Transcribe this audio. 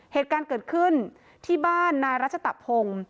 เหตุการณ์เกิดขึ้นที่บ้านนายรัชตะพงศ์